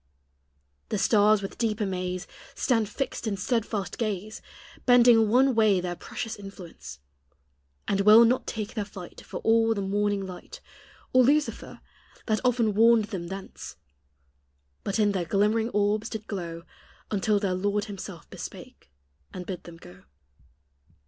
The stars with deep amaze Stand fixed in steadfast gaze, Bending one way their precious influence; And will not take their flight For all the morning light, Or Lucifer that often warned them thence; But in their glimmering orbs did glow Until their Lord himself bespake, and bid them go.